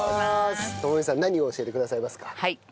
知美さん何を教えてくださいますか？